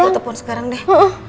ayo telepon sekarang deh